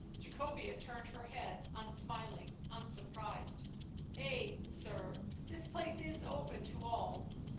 Jacobea turned her head, unsmiling, unsurprised. "Ay, sir, this place is open to all."